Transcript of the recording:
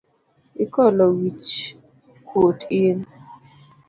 Ikolo wich kuot in.